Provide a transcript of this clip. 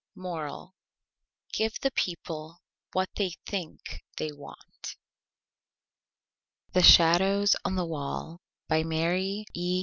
MORAL: Give the People what they Think they want. THE SHADOWS ON THE WALL By MARY E.